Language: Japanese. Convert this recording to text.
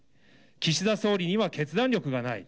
岸田総理には決断力がない。